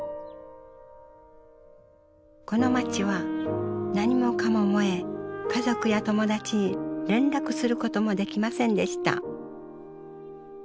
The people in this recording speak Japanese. この街は何もかも燃え家族や友達に連絡することもできませんでした。